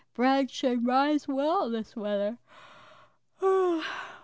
Bread should rise well this weather.